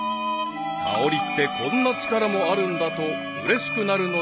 ［香りってこんな力もあるんだとうれしくなるのであった］